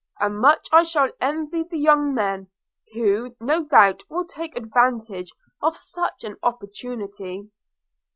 and much I shall envy the young men, who no doubt will take advantage of such an opportunity.'